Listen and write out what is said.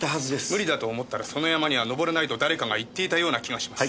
無理だと思ったらその山には登れないと誰かが言っていたような気がします。